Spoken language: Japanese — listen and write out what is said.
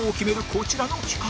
こちらの企画